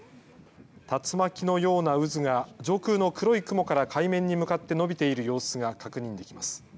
竜巻のような渦が上空の黒い雲から海面に向かって伸びている様子が確認できます。